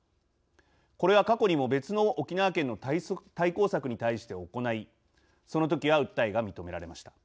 これは過去にも別の沖縄県の対抗策に対して行いそのときは訴えが認められました。